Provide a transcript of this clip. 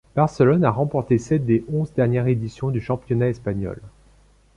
Barcelone a remporté sept des onze dernières éditions du championnat espagnol.